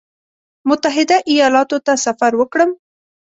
متحده ایالاتو ته سفر وکړم.